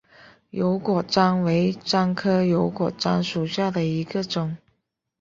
油果樟为樟科油果樟属下的一个种。